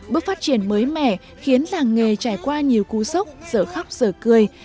bước phát triển mới mẻ khiến làng nghề trải qua nhiều cú sốc sở khóc sở cười